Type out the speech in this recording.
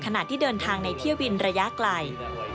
ขณะที่เดินทางในเที่ยวบินระยะไกล